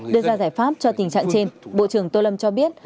đưa ra giải pháp cho tình trạng trên bộ trưởng tô lâm cho biết